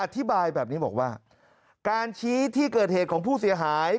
อธิบายแบบนี้บอกว่าการชี้ที่เกิดเหตุของผู้เสียหาย